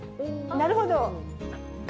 なるほど。